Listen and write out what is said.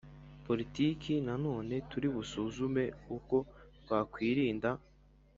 poritiki Nanone turi busuzume uko twakwirinda